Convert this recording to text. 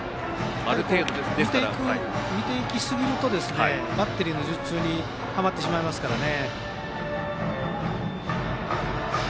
見すぎるとバッテリーの術中にはまってしまいますからね。